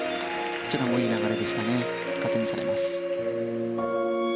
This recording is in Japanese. こちらもいい流れでしたね加点されます。